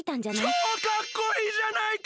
ちょうかっこいいじゃないか！